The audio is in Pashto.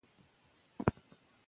ایا پاني پت ته بیا افغانان تللي دي؟